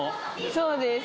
そうです